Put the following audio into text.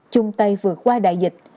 chung tay vượt qua đại dịch